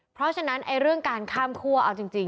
เพราะฉะนั้นเรื่องการข้ามคั่วเอาจริง